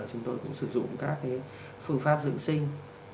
chúng tôi cũng sử dụng các phương pháp dưỡng sinh